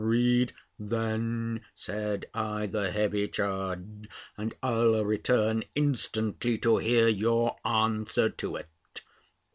"Read then," said I, "the heavy charge, and I'll return instantly to hear your answer to it."